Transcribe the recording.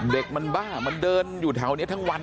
เด็กมันบ้ามันเดินอยู่ที่เท่าเนี้ยทั้งวัน